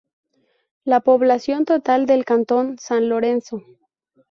La población total del cantón San Lorenzo.